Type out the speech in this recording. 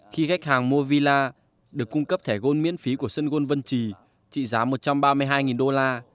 khi khách hàng mua villa được cung cấp thẻ gôn miễn phí của sân gôn vân trì trị giá một trăm ba mươi hai đô la